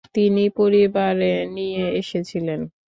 তিনি পরিবারে নিয়ে এসেছিলেন।